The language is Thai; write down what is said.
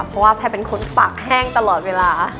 เพราะว่าแพทย์เป็นคนปากแห้งตลอดเวลา